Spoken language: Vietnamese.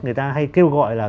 người ta hay kêu gọi là